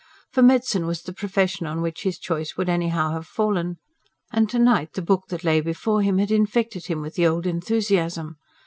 For medicine was the profession on which his choice would anyhow have fallen. And to night the book that lay before him had infected him with the old enthusiasm.